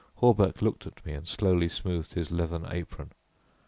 Hawberk looked at me and slowly smoothed his leathern apron.